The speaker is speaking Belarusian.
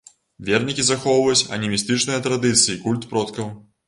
Вернікі захоўваюць анімістычныя традыцыі і культ продкаў.